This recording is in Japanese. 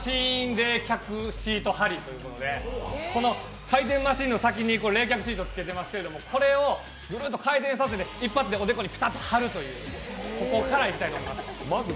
冷却シート貼りというものでこの回転マシーンの先に冷却シートをつけてますけどこれをぐるっと回転させて一発でおでこにピタッと貼るという、ここからいきたいと思います。